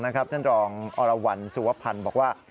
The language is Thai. ท่านรองอเราัลสุวพรรณบอกว่า